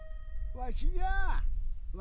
わしじゃよ。